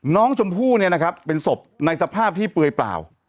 น้องชมพู่เป็นศพในสภาพที่เปลือยเปล่า